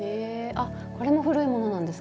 あこれも古いものなんですか？